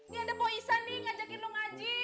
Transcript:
nih ada pak isah nih ngajakin lu ngaji